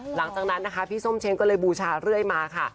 หลังจากนั้นนะคะพี่ส้มเช้งก็เลยบูชาเรื่อยมาค่ะ